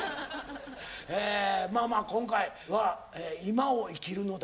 まあまあ今回は「現在を生きるのだ。」